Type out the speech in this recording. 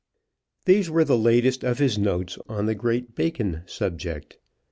These were the latest of his notes on the great Bacon subject.